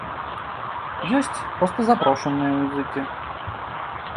Ёсць проста запрошаныя музыкі.